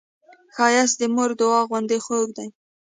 ښایست د مور د دعا غوندې خوږ دی